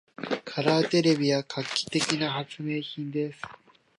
カラーテレビは画期的な発明品です。